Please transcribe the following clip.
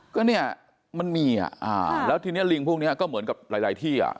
ก็เนี่ยมันมีอ่ะอ่าแล้วทีนี้ลิงพวกนี้ก็เหมือนกับหลายที่อ่ะ